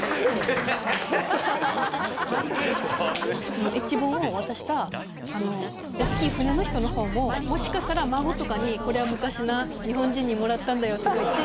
そのＨ本を渡したおっきい船の人の方ももしかしたら孫とかに「これは昔な日本人にもらったんだよ」とか言って。